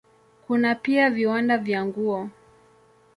Kuna pia viwanda vya nguo.